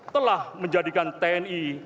telah menjadikan tni